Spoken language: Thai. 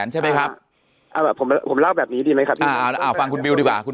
๓๐๐๐๐๐ใช่ไหมครับผมเล่าแบบนี้ดีไหมครับคุณบิวดีป่ะคุณ